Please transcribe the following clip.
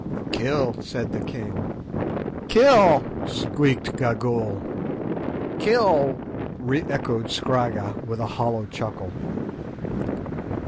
"Kill!" said the king. "Kill!" squeaked Gagool. "Kill!" re echoed Scragga, with a hollow chuckle.